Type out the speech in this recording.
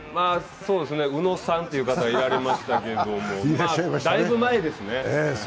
宇野さんという方がおられましたけれども、まあ、だいぶ前ですね。